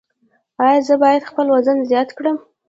ایا زه باید خپل وزن زیات کړم؟